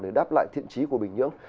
để đáp lại thiện trí của bình nhưỡng